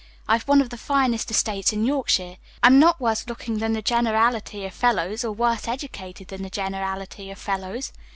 I've one of the finest estates in Yorkshire; I'm not worse looking than the generality of fellows, or worse educated than the generality of fellows.